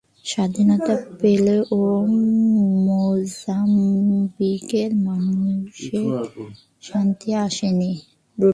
স্বাধীনতা পেলেও মোজাম্বিকের মানুষের শান্তি আসেনি।